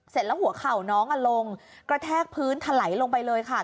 เสร็จแล้วหัวเข่าน้องลงกระแทกพื้นถลายลงไปเลยค่ะ